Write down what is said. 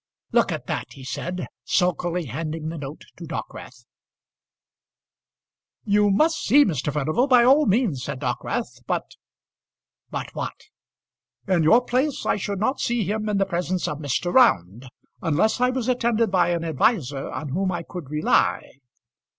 "Look at that," he said, sulkily handing the note to Dockwrath. "You must see Mr. Furnival, by all means," said Dockwrath. "But " "But what?" "In your place I should not see him in the presence of Mr. Round, unless I was attended by an adviser on whom I could rely."